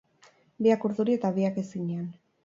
Biak urduri eta biak ezinean.